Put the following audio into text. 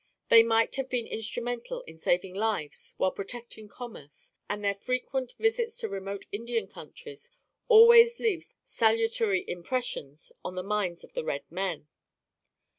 They might have been instrumental in saving lives while protecting commerce, and their frequent visits to remote Indian countries always leaves salutary impressions on the minds of the red men.